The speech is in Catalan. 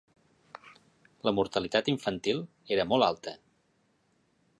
La mortalitat infantil era molt alta.